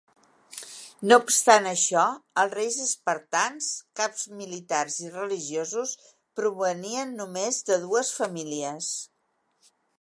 No obstant això, els reis espartans, caps militars i religiosos, provenien només de dues famílies.